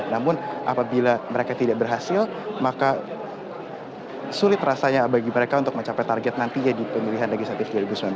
namun apabila mereka tidak berhasil maka sulit rasanya bagi mereka untuk mencapai target nantinya di pemilihan legislatif dua ribu sembilan belas